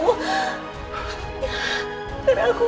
dan dia pasti denken